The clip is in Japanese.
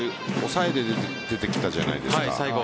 抑えで出てきたじゃないですか。